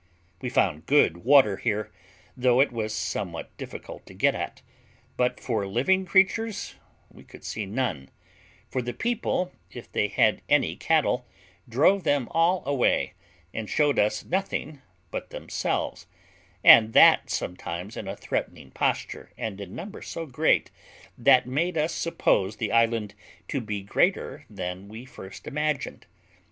We found good water here, though it was something difficult to get at it, but for living creatures we could see none; for the people, if they had any cattle, drove them all away, and showed us nothing but themselves, and that sometimes in a threatening posture, and in number so great, that made us suppose the island to be greater than we first imagined.